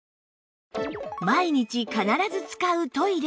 毎日必ず使うトイレ